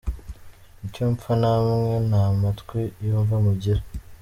icyo mfa mamwe nta matwi yumva mugira !